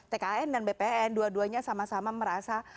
tkn dan bpn dua duanya sama sama merasa